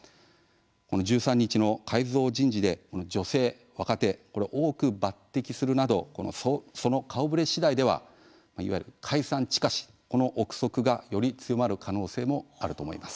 １３日の改造人事で、女性若手を多く抜てきするなどその顔ぶれ次第ではいわゆる解散近しの臆測がより強まる可能性もありそうです。